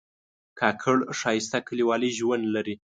کاکړ ښایسته کلیوالي ژوند لري.